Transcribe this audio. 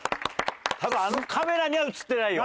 多分あのカメラには映ってないよ。